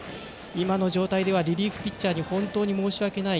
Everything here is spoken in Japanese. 今の状態ではリリーフピッチャーに本当に申し訳ない。